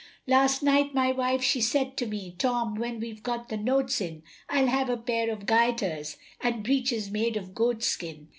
Last night my wife she said to me, Tom, when we've got the notes in, I'll have a pair of gaiters, and Breeches made of goat's skin.